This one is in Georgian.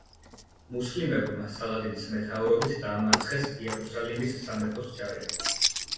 მუსლიმებმა სალადინის მეთაურობით დაამარცხეს იერუსალიმის სამეფოს ჯარები.